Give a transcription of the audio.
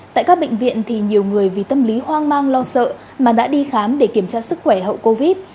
tại các bệnh viện thì nhiều người vì tâm lý hoang mang lo sợ mà đã đi khám để kiểm tra sức khỏe hậu covid